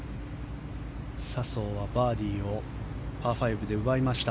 笹生はバーディーをパー５で奪いました。